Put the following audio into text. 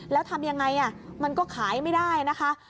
แล้วทำยังไงมันก็ขายไม่ได้นะคะ